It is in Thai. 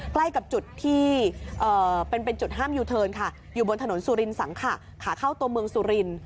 ใกล้กับจุดที่เป็นจุดห้ามยูเทิร์นค่ะอยู่บนถนนสุรินสังขะขาเข้าตัวเมืองสุริน